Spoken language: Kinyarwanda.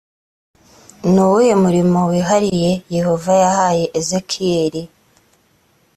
ni uwuhe murimo wihariye yehova yahaye ezekiyeli